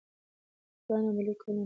پلان عملي کول ننګونه ده.